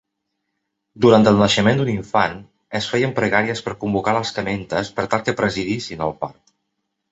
Durant el naixement d'un infant, es feien pregàries per convocar les camentes per tal que presidissin el part.